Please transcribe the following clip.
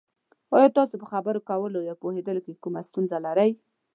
ایا تاسو په خبرو کولو یا پوهیدو کې کومه ستونزه لرئ؟